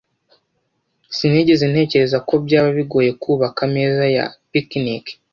Sinigeze ntekereza ko byaba bigoye kubaka ameza ya picnic.